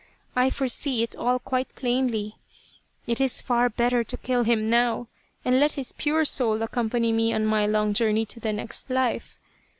I foresee it all quite plainly. It is far better to kill him now and let his pure soul accompany me on my long journey 188 Loyal, Even Unto Death to the next life.